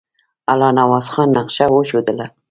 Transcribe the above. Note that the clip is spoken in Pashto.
الله نواز خان نقشه وښودله.